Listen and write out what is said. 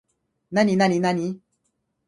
なになになに